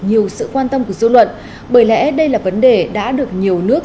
nhiều sự quan tâm của dư luận bởi lẽ đây là vấn đề đã được nhiều nước